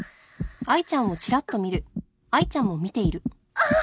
あっ！